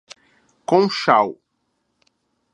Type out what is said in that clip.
Conchal